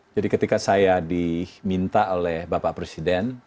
ketika saya diminta oleh bapak presiden